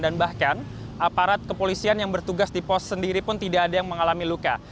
dan bahkan aparat kepolisian yang bertugas di pos sendiri pun tidak ada yang mengalami luka